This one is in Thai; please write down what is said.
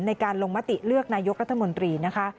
ในการลงมติเลือกนายกรัฐมนตรีนะคะ